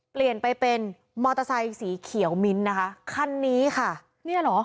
เปลี่ยนไปเป็นมอเตอร์ไซค์สีเขียวมิ้นนะคะคันนี้ค่ะเนี่ยเหรอ